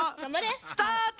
スタート！